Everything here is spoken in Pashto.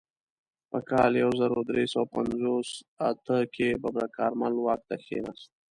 په کال یو زر درې سوه پنځوس اته کې ببرک کارمل واک ته کښېناست.